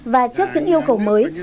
và trước những yêu cầu mới